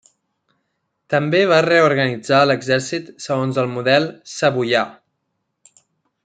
També va reorganitzar l'exèrcit segons el model savoià.